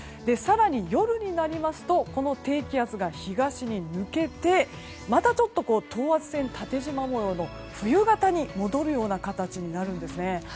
更に、夜になりますとこの低気圧が東に抜けてまたちょっと等圧線が縦じま模様の、冬型に戻るような形になるんです。